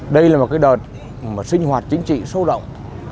đây là một đợt sinh hoạt chính trị sâu động